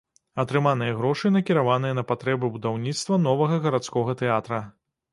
Атрыманыя грошы накіраваныя на патрэбы будаўніцтва новага гарадскога тэатра.